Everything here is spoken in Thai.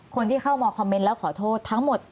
คนที่เข้ามาคอมเมนต์แล้วขอโทษทั้งหมด